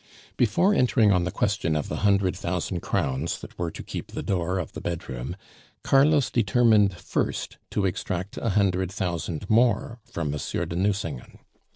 Before entering on the question of the hundred thousand crowns that were to keep the door of the bedroom, Carlos determined first to extract a hundred thousand more from M. de Nucingen.